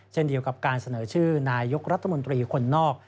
เช่นเดียวกับการเสนอชื่อนายกรัฐมนตรีคนนอก